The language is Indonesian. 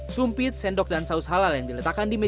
sumpit sendok dan saus halal yang diletakkan di meja